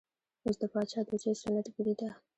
اوس د پاچا د زوی سنت ګري ده.